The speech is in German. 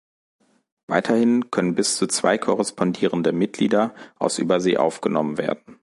Weiterhin können bis zu zwei "Korrespondierende Mitglieder" aus Übersee aufgenommen werden.